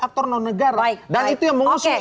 aktor non negara dan itu yang mengusung